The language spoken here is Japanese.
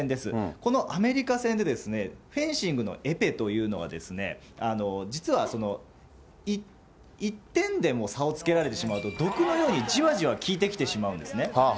このアメリカ戦で、フェンシングのエペというのはですね、実は１点でも差をつけられてしまうと、毒のようにじわじわ効いてきてしまうんですね。